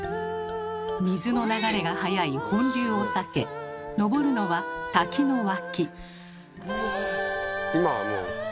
水の流れが速い本流を避け登るのは滝の脇。